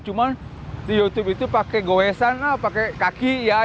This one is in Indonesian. cuma di youtube itu pakai goesan pakai kaki